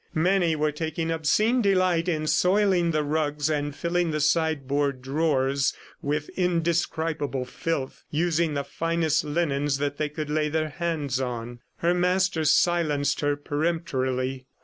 Many were taking obscene delight in soiling the rugs and filling the sideboard drawers with indescribable filth, using the finest linens that they could lay their hands on. Her master silenced her peremptorily.